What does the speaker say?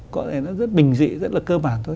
có thể nó rất bình dị rất là cơ bản thôi